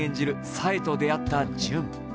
紗枝と出会った純。